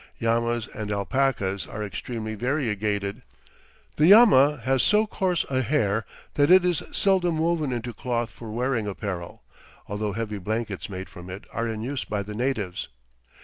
Llamas and alpacas are extremely variegated. The llama has so coarse a hair that it is seldom woven into cloth for wearing apparel, although heavy blankets made from it are in use by the natives.